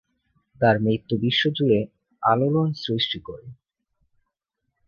তার মৃত্যু বিশ্বজুড়ে আলোড়ন সৃষ্টি করে।